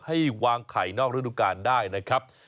ให้วางไข่นอกฤดูกาลได้นะครับ